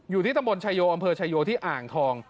อยู่ที่ตำบลชายโยอำเภอชายโยที่อ่างทอง